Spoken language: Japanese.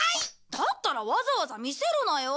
だったらわざわざ見せるなよ。